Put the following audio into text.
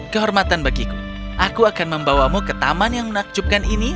kehormatan bagiku aku akan membawamu ke taman yang menakjubkan ini